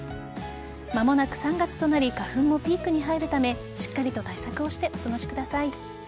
間もなく３月となり花粉のピークに入るためしっかりと対策をしてお過ごしください。